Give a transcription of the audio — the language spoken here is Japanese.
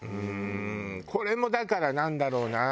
これもだからなんだろうな。